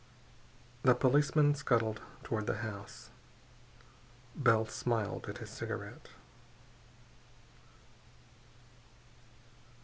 The policeman scuttled toward the house. Bell smiled at his cigarette.